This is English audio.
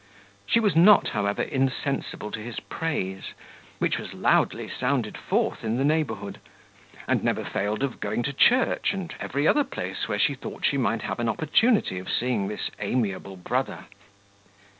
She was not, however, insensible to his praise, which was loudly sounded forth in the neighbourhood; and never failed of going to church, and every other place, where she thought she might have an opportunity of seeing this amiable brother.